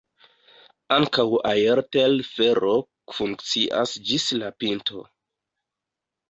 Ankaŭ aertelfero funkcias ĝis la pinto.